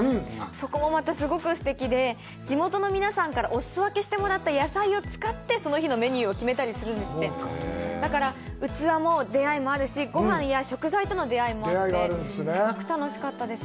そこもまたすごくすてきで地元の皆さんからおすそ分けしてもらった野菜を使ってその日のメニューを決めたりするんですってだからうつわも出会いもあるしごはんや食材との出会いもあってすごく楽しかったです